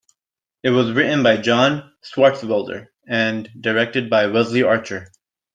It was written by John Swartzwelder and directed by Wesley Archer.